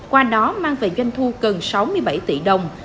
qua đó mang về doanh thu gần sáu mươi bảy tỷ đồng